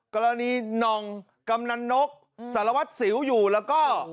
กรณีนองกำนันนกสารวัตรสิวอยู่แล้วก็